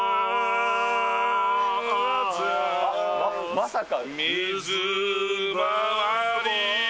まさか。